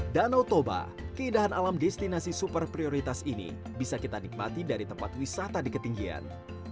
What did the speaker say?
danau toba keindahan alam destinasi super prioritas ini bisa kita nikmati dari tempat wisata di ketinggian